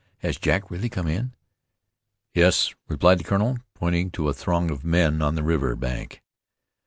"Has Jack really come in?" "Yes," replied the colonel, pointing to a throng of men on the river bank.